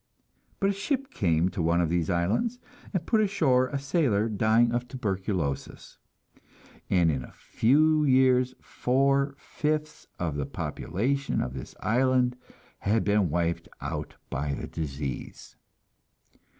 But a ship came to one of these islands, and put ashore a sailor dying of tuberculosis, and in a few years four fifths of the population of this island had been wiped out by the disease.